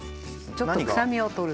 ちょっと臭みを取る。